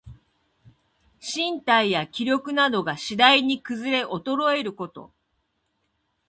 身体や気力などが、しだいにくずれおとろえること。